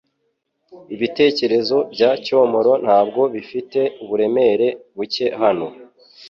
Ibitekerezo bya Cyomoro ntabwo bifite uburemere buke hano